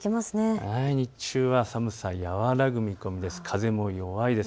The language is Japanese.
日中は寒さ和らぐ見込みです。